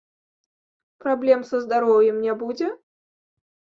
Праблем са здароўем не будзе?